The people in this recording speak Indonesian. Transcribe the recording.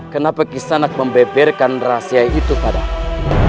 kenapa kisanak membeberkan rahasia itu padahal